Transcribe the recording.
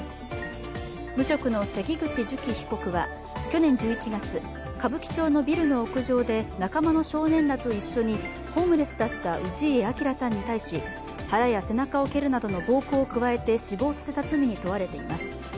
無職の関口寿喜被告は去年１１月歌舞伎町のビルの屋上で仲間の少年らと一緒にホームレスだった氏家彰さんに対し腹や背中を蹴るなどの暴行を加えて死亡させた罪に問われています。